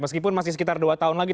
meskipun masih sekitar dua tahun lagi